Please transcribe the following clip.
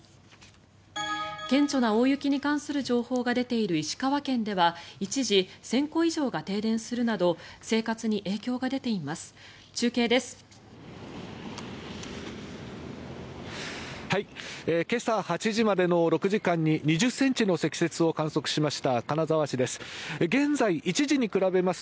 顕著な大雪に関する情報が出ている石川県では一時、１０００戸以上が停電するなど生活に影響が出ています。